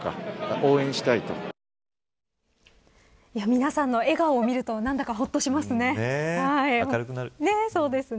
皆さんの笑顔を見ると何だかほっとしますね。